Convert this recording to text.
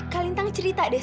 kalintang cerita deh